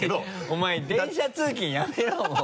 お前電車通勤やめろもう。